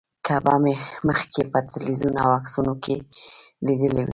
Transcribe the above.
کعبه مې مخکې په تلویزیون او عکسونو کې لیدلې وه.